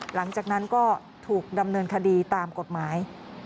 หลังจากนั้นก็ถูกดำเนินคดีตามกฎหมาย